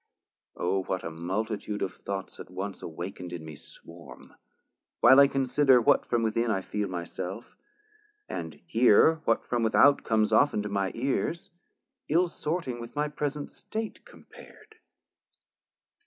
O what a multitude of thoughts at once Awakn'd in me swarm, while I consider What from within I feel my self and hear What from without comes often to my ears, Ill sorting with my present state compar'd.